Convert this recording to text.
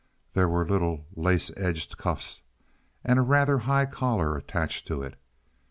There were little lace edged cuffs and a rather high collar attached to it.